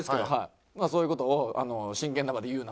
そういう事を真剣な場で言うなと。